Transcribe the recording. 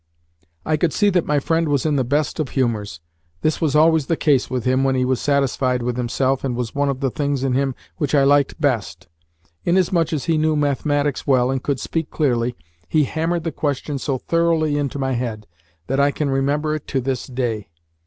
I could see that my friend was in the best of humours. This was always the case with him when he was satisfied with himself, and was one of the things in him which I liked best. Inasmuch as he knew mathematics well and could speak clearly, he hammered the question so thoroughly into my head that I can remember it to this day.